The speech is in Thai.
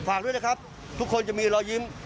ฝากด้วยนะครับทุกคนจะมีรอยยิ้ม